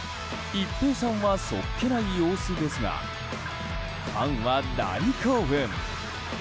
一平さんはそっけない様子ですがファンは大興奮。